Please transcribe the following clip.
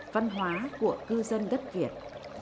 văn hóa của cư dân đất việt